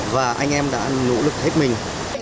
và anh em đã nỗ lực hết mình